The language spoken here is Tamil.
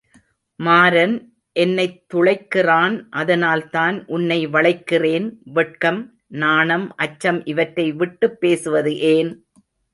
மாரன் என்னைத் துளைக்கிறான் அதனால்தான் உன்னை வளைக்கிறேன் வெட்கம், நாணம், அச்சம் இவற்றை விட்டுப் பேசுவது ஏன்?.